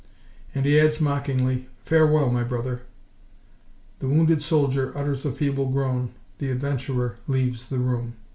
And he adds mockingly:— "Farewell, my brother!" The wounded soldier utters a feeble groan; the adventurer leaves the room.